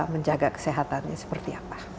menjaga kesehatannya seperti apa